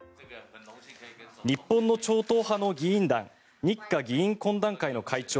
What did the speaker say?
日本の超党派の議員団日華議員懇談会の会長